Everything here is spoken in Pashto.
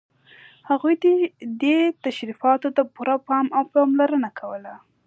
هغوی دې تشریفاتو ته پوره پام او پاملرنه کوله.